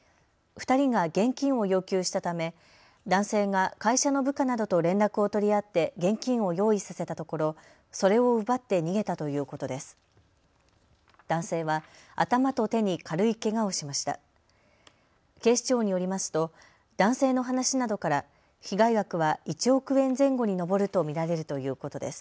２人が現金を要求したため男性が会社の部下などと連絡を取り合って現金を用意させたところそれを奪って逃げたということです。